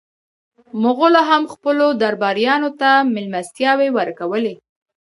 مغولو هم خپلو درباریانو ته مېلمستیاوې ورکولې.